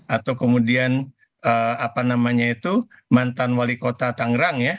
atau kemudian apa namanya itu mantan wali kota tangerang ya